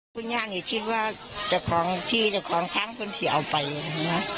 คุณย่าเนี่ยคิดว่าเจ้าของที่เจ้าของทั้งคนที่เอาไปนะ